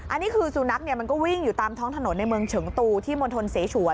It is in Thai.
อันนี้คือสุนัขเนี่ยมันก็วิ่งอยู่ตามท้องถนนในเมืองเฉิงตูที่มณฑลเสฉวน